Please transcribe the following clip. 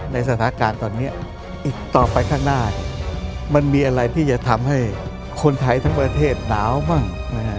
ในสถานการณ์ตอนนี้อีกต่อไปข้างหน้ามันมีอะไรที่จะทำให้คนไทยทั้งประเทศหนาวบ้าง